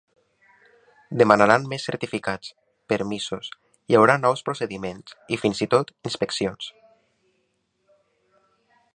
Demanaran més certificats, permisos, hi haurà nous procediments i, fins i tot, inspeccions.